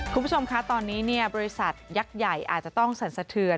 คุณผู้ชมคะตอนนี้บริษัทยักษ์ใหญ่อาจจะต้องสั่นสะเทือน